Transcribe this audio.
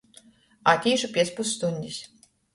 Atīšu piec pusstuņdis.